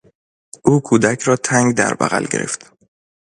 او کودک را تنگ در بغل گرفت.